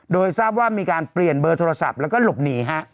โดยทราบว่ามีการเปลี่ยนเบอร์โทรศัพท์แล้วก็หลบหนีฮะ